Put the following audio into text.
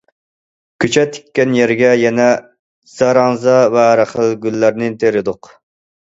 كۆچەت تىككەن يەرگە يەنە زاراڭزا ۋە ھەر خىل گۈللەرنى تېرىدۇق.